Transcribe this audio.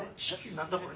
何だこれ？